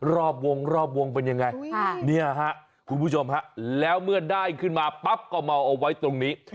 รอบวงเป็นยังไงคุณผู้ชมครับแล้วเมื่อได้ขึ้นมาปั๊บก็เอาออกไว้ตรงนี้